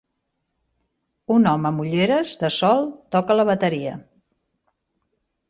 Un home amb ulleres de sol toca la bateria.